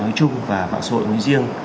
nói chung và bảo sội nói riêng